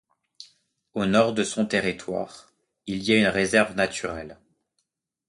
Au nord de son territoire, il y a une réserve naturelle.